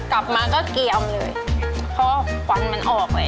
กลับมาก็เกียมเลยเพราะควันมันออกเลย